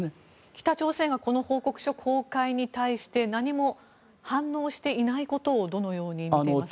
北朝鮮がこの報告書公開に対して何も反応していないことをどのように見ていますか？